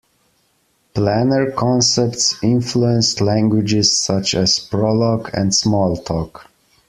Planner concepts influenced languages such as Prolog and Smalltalk.